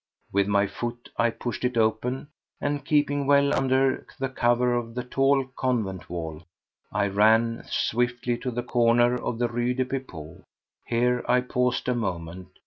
With my foot I pushed it open, and, keeping well under the cover of the tall convent wall, I ran swiftly to the corner of the Rue des Pipots. Here I paused a moment.